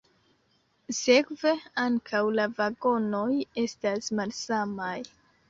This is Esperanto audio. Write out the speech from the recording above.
Sekve ankaŭ la vagonoj estas malsamaj.